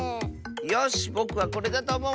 よしぼくはこれだとおもう！